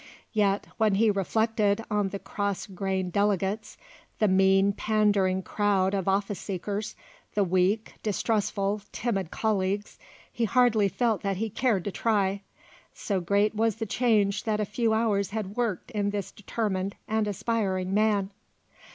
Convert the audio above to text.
Yet when he reflected on the cross grained delegates, the mean pandering crowd of office seekers, the weak, distrustful, timid colleagues, he hardly felt that he cared to try; so great was the change that a few hours had worked in this determined and aspiring man.